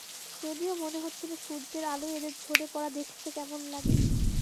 যদিও মনে হচ্ছিল সূর্যের আলোয় এদের ঝরে পড়া দেখতে কেমন লাগে।